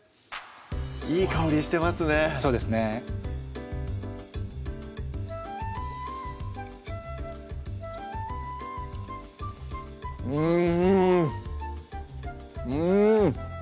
いい香りしてますねそうですねうん！